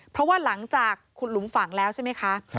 เพราะว่าหลังจากขุดหลุมฝังแล้วใช่ไหมคะ